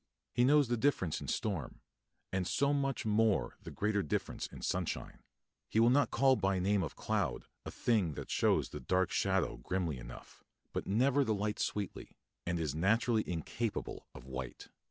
He knows the difference in storm, and so much more the greater difference in sunshine; he will not call by the name of cloud a thing that shows the dark shadow grimly enough, but never the light sweetly, and is naturally incapable of white.